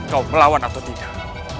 kau melawan atau tidak